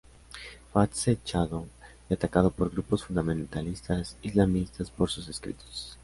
Fue acechado y atacado por grupos fundamentalistas islamistas por sus escritos.